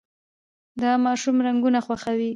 دا ماشوم رنګونه خوښوي.